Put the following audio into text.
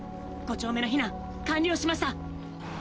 ５丁目の避難完了しました。